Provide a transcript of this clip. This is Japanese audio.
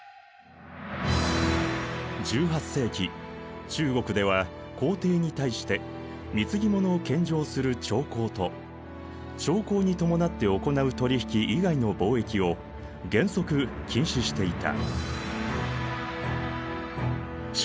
１８世紀中国では皇帝に対して貢ぎ物を献上する朝貢と朝貢に伴って行う取り引き以外の貿易を原則禁止していた。